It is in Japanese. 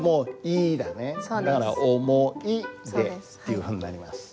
だから「思い出」っていうふうになります。